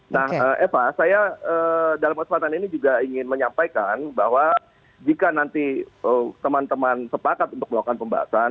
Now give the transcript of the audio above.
nah eva saya dalam kesempatan ini juga ingin menyampaikan bahwa jika nanti teman teman sepakat untuk melakukan pembahasan